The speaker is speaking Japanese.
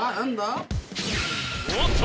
おっと！